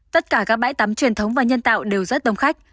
tất cả các bãi tắm truyền thống và nhân tạo đều rất đông khách